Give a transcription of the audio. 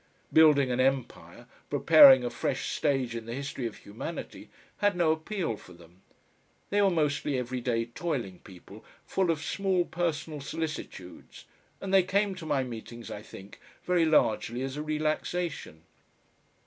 Building an empire, preparing a fresh stage in the history of humanity, had no appeal for them. They were mostly everyday, toiling people, full of small personal solicitudes, and they came to my meetings, I think, very largely as a relaxation.